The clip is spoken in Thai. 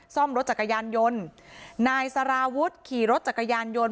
ซ่อมรถจักรยานยนต์นายสารวุฒิขี่รถจักรยานยนต์